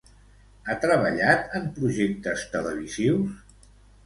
Ha treballat en projectes televisius?